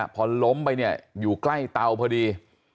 พอล้มไปอยู่ใกล้เตาพอดี